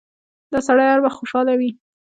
دا سړی هر وخت خوشاله وي.